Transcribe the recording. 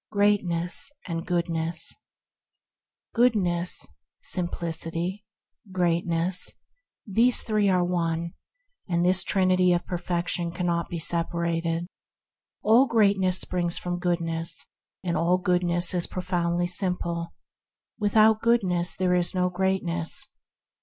GREATNESS AND GOODNESS /"^OODNESS, simplicity, greatness: these ^* three are one, and this trinity of perfection cannot be separated. All greatness springs from goodness, and all goodness is pro foundly simple. Without goodness there is no greatness.